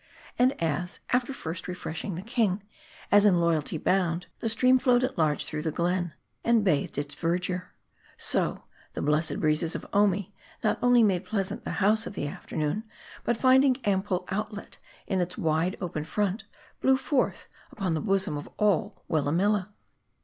And as, after first refreshing the king, as in loyalty bound, the stream flowed at large through the glen, and bathed its verdure ; so, the blessed breezes of Omi, not only made pleasant the House of the Afternoon ; but finding ample outlet in its wide, open front, blew forth upon the bosom of all Willamilla.